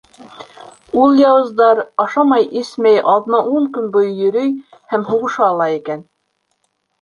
Ул яуыздар ашамай-эсмәй аҙна-ун көн йөрөй һәм һуғыша ала икән.